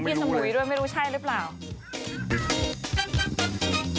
อะไรคะคุณดุ่มคะ